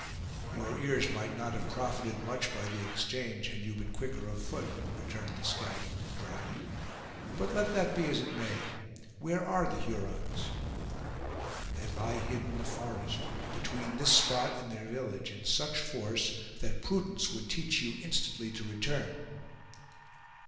"Your ears might not have profited much by the exchange, had you been quicker of foot," returned the scout a little dryly. "But let that be as it may; where are the Hurons?" "They lie hid in the forest, between this spot and their village in such force, that prudence would teach you instantly to return."